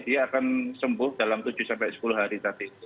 dia akan sembuh dalam tujuh sampai sepuluh hari tadi